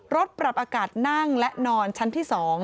ปรับอากาศนั่งและนอนชั้นที่๒